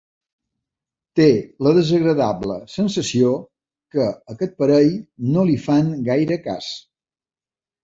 Té la desagradable sensació que aquest parell no li fan gaire cas.